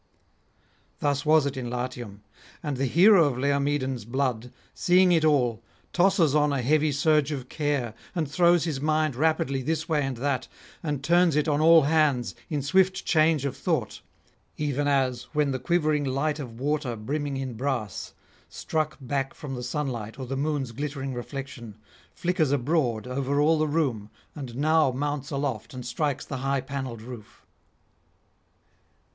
Thus was it in Latium. And the hero of Laomedon's blood, seeing it all, tosses on a heavy surge of care, and throws his mind rapidly this way and that, and turns it on all hands in swift change of thought: even as when the quivering light of water brimming in brass, struck back [23 56]from the sunlight or the moon's glittering reflection, flickers abroad over all the room, and now mounts aloft and strikes the high panelled roof.